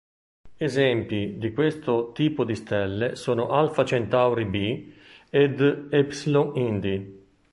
Esempi di questo tipo di stelle sono Alfa Centauri B ed Epsilon Indi.